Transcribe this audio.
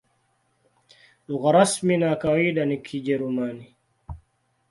Lugha rasmi na ya kawaida ni Kijerumani.